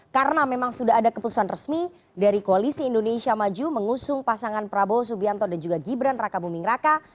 karena memang sudah ada keputusan resmi dari koalisi indonesia maju mengusung pasangan prabowo subianto dan juga gibran raka buming raka